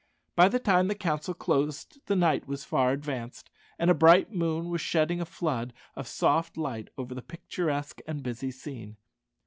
By the time the council closed the night was far advanced, and a bright moon was shedding a flood of soft light over the picturesque and busy scene.